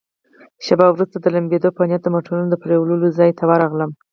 شیبه وروسته د لمبېدو په نیت د موټرونو د پرېولو ځای ته ورغلم.